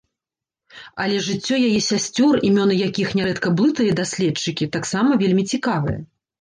Але жыццё яе сясцёр, імёны якіх нярэдка блыталі даследчыкі, таксама вельмі цікавае.